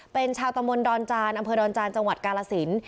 เป็นชาวตำบลดอนจานอำเภอดอนจานจังหวัดกาลสิน